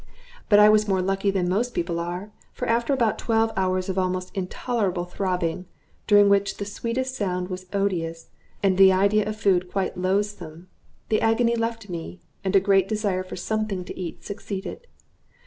But I was more lucky than most people are; for after about twelve hours of almost intolerable throbbing, during which the sweetest sound was odious, and the idea of food quite loathsome, the agony left me, and a great desire for something to eat succeeded.